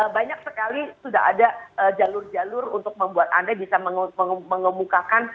banyak sekali sudah ada jalur jalur untuk membuat anda bisa mengemukakan